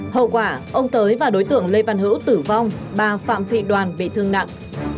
hậu quả ông tới và đối tượng lê văn hữu tử vong bà phạm thị đoàn bị thương nặng